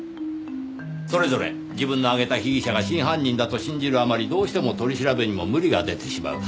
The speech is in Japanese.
それぞれ自分の挙げた被疑者が真犯人だと信じるあまりどうしても取り調べにも無理が出てしまう。